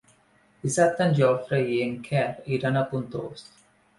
Dissabte en Jofre i en Quer iran a Pontós.